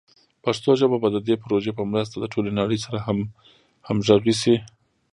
پښتو ژبه به د دې پروژې په مرسته د ټولې نړۍ سره همغږي شي.